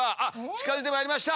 近づいてまいりました。